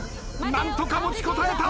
何とか持ちこたえた。